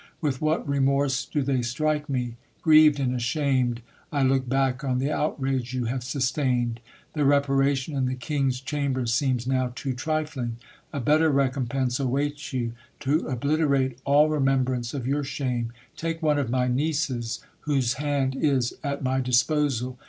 With what remorse do they strike me ! Grieved and ashamed, I look back on the outrage you have sustained. The reparation in the King's chamber seems now too trifling. A better recompense awaits you. To obliter ate all remembrance of your shame, take one of my nieces whose hand is at my. disposal.